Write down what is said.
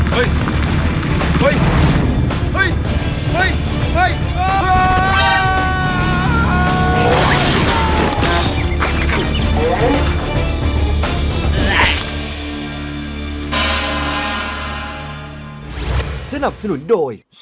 เฮ้ยเฮ้ยเฮ้ยเฮ้ยเฮ้ย